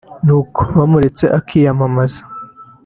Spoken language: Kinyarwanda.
nuko bamuretse akiyamamaza